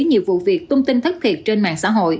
nhiều vụ việc tung tin thất thiệt trên mạng xã hội